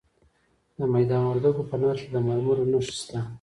د میدان وردګو په نرخ کې د مرمرو نښې شته.